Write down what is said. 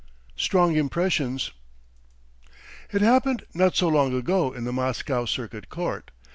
STRONG IMPRESSIONS IT happened not so long ago in the Moscow circuit court.